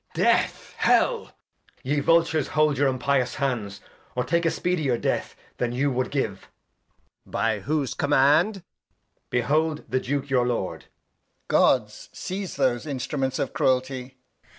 Edg. Death! Hell! Ye Vultures, hold your impious Hands, Or take a speedier Death than you wou'd give. Capt. By whose Command ? Edg. Behold the Duke, your Lord. Alb. Guards, seize those Instruments of Cruelty.